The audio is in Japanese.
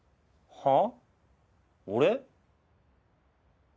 はあ？